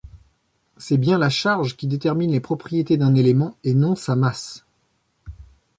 C'est bien la charge qui détermine les propriétés d'un élément, et non sa masse.